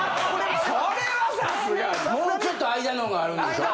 もうちょっと間のんがあるんでしょ。